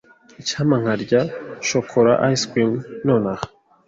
Icyampa nkarya shokora ice cream nonaha.